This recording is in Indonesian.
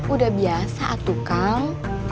udah biasa atukang